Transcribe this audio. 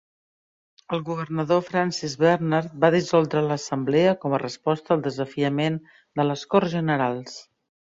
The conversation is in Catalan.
El governador Francis Bernard va dissoldre l'assemblea com a resposta al desafiament de les Corts Generals.